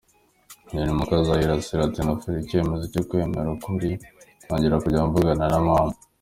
Nelly Mukazayire ati : “Nafashe icyemezo cyo kwemera ukuri, ntangira kujya mvugana na mama.